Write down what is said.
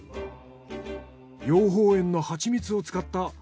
養蜂園のハチミツを使ったうん。